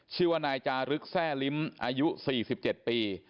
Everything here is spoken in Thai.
ชื่อว่านายจารึกแทร่ลิ้มอายุ๔๗ปี